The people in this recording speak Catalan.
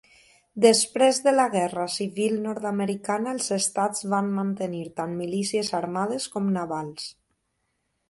Després de la Guerra Civil Nord-americana, els estats van mantenir tant milícies armades com navals.